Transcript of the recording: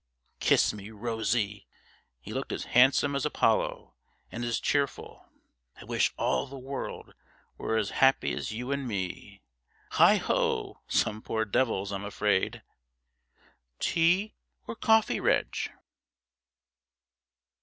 'Kiss me, Rosie.' He looked as handsome as Apollo, and as cheerful. 'I wish all the world were as happy as you and me. Heigho! some poor devils, I'm afraid ' 'Tea or coffee, Reg?'